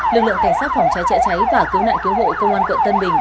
lực lượng cảnh sát phòng cháy chữa cháy và cứu nạn cứu hộ công an quận tân bình